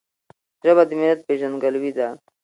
ژبه د ملت پیژندګلوي ده.